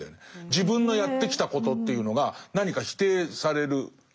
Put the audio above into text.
自分のやってきたことというのが何か否定されるような。